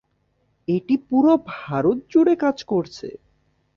এটি পুরো ভারত জুড়ে কাজ করছে।